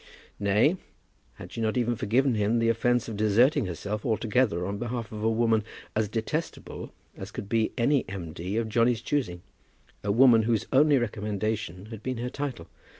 Nay, had she not even forgiven him the offence of deserting herself altogether on behalf of a woman as detestable as could be any M. D. of Johnny's choosing; a woman whose only recommendation had been her title?